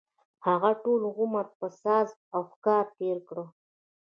هغه ټول عمر په ساز او ښکار تېر کړ.